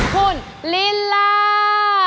คุณลิลา